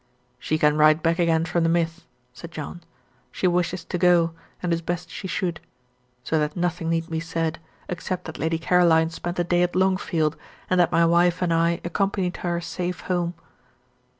"She can ride back again from the Mythe," said John. "She wishes to go, and it is best she should; so that nothing need be said, except that Lady Caroline spent a day at Longfield, and that my wife and I accompanied her safe home."